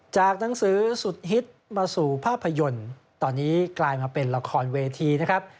จากหนังสือสุดฮิตมาสู่ภาพยนตร์ตอนนี้กลายมาเป็นละครเวทีนะครับ